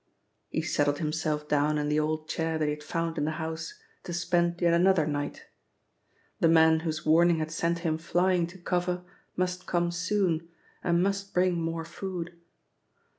He settled himself down in the old chair that he had found in the house, to spend yet another night. The man whose warning had sent him flying to cover must come soon, and must bring more food.